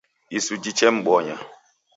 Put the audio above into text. Isu jichemmbonya